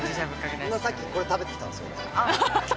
今さっきこれ食べてきたんです。